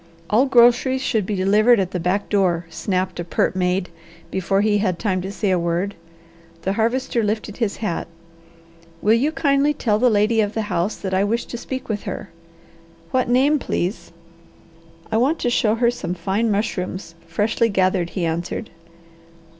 "All groceries should be delivered at the back door," snapped a pert maid, before he had time to say a word. The Harvester lifted his hat. "Will you kindly tell the lady of the house that I wish to speak with her?" "What name, please?" "I want to show her some fine mushrooms, freshly gathered," he answered.